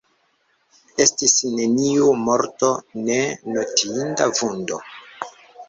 Estis neniu morto, ne notinda vundo.